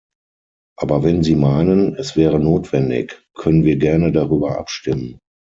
Aber wenn Sie meinen, es wäre notwendig, können wir gerne darüber abstimmen.